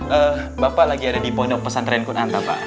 eh bapak lagi ada di poin pesan renkun anta pak